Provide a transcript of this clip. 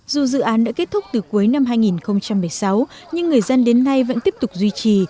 dù dự án đã kết thúc từ cuối năm hai nghìn một mươi sáu nhưng người dân đến nay vẫn tiếp tục duy trì